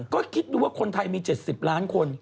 ก็คิดดูว่าคนไทยมี๗๐ล้านคน